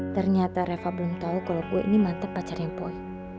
ternyata reva belum tau kalo boy ini mantep pacarnya boy